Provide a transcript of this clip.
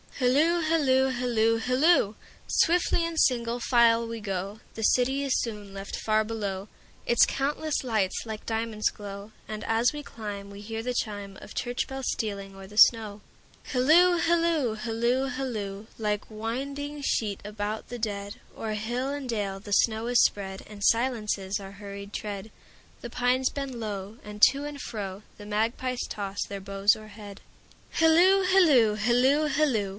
Hilloo, hilloo, hilloo, hilloo! Swiftly in single file we go, The city is soon left far below, Its countless lights like diamonds glow; And as we climb we hear the chimeOf church bells stealing o'er the snow. Hilloo, hilloo, hilloo, hilloo! Like winding sheet about the dead, O'er hill and dale the snow is spread, And silences our hurried tread; The pines bend low, and to and froThe magpies toss their boughs o'erhead. Hilloo, hilloo, hilloo, hilloo!